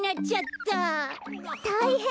たいへん！